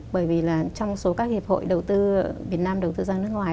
bởi vì là trong số các hiệp hội đầu tư việt nam đầu tư ra nước ngoài